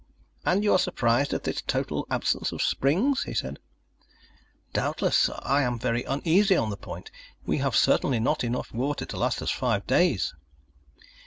"And you are surprised at this total absence of springs?" he said. "Doubtless I am very uneasy on the point. We have certainly not enough water to last us five days."